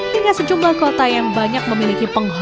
hingga sejumlah kota yang banyak memiliki penghasilan